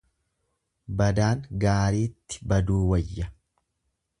Badaan gaariitti baduu wayya.